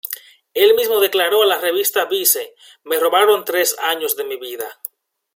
Él mismo declaró a la revista Vice: ""Me robaron tres años de mi vida.